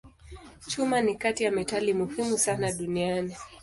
Chuma ni kati ya metali muhimu sana duniani.